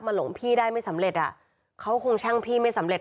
หลงพี่ได้ไม่สำเร็จอ่ะเขาคงชั่งพี่ไม่สำเร็